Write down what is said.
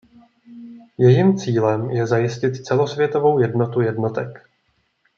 Jejím cílem je zajistit celosvětovou jednotu jednotek.